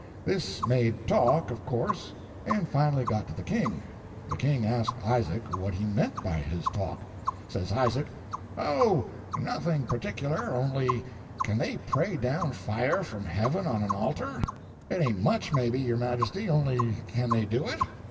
This made talk, of course, and finally got to the king. The king asked Isaac what he meant by his talk. Says Isaac, 'Oh, nothing particular; only, can they pray down fire from heaven on an altar? It ain't much, maybe, your majesty, only can they do it?